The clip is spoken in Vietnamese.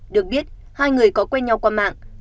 được biết hai người có quen nhau qua mạng